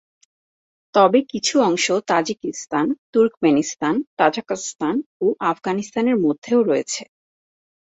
তবে কিছু অংশ তাজিকিস্তান, তুর্কমেনিস্তান, কাজাখস্তান ও আফগানিস্তানের মধ্যেও রয়েছে।